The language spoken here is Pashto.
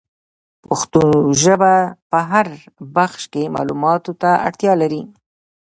پښتو ژبه په هر بخش کي معلوماتو ته اړتیا لري.